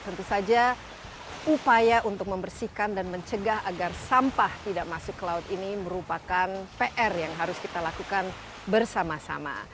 tentu saja upaya untuk membersihkan dan mencegah agar sampah tidak masuk ke laut ini merupakan pr yang harus kita lakukan bersama sama